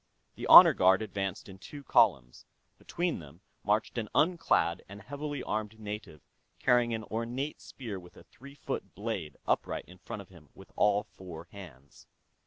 The honor guard advanced in two columns; between them marched an unclad and heavily armed native carrying an ornate spear with a three foot blade upright in front of him with all four hands.